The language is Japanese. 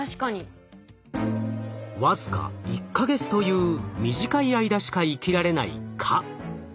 僅か１か月という短い間しか生きられない蚊。